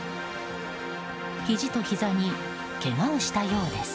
ひじとひざにけがをしたようです。